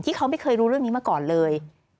เขาไม่เคยรู้เรื่องนี้มาก่อนเลย